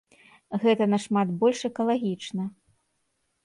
Гэта нашмат больш экалагічна.